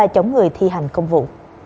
của bốn người thi hành công vụ